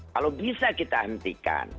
kalau bisa kita hentikan